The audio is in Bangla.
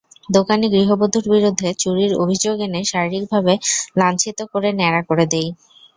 দোকানি গৃহবধূর বিরুদ্ধে চুরির অভিযোগ এনে শারীরিকভাবে লাঞ্ছিত করে ন্যাড়া করে দেয়।